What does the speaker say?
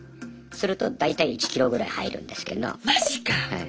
すると大体１キロぐらい入るんですけど。